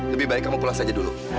lebih baik kamu pulang saja dulu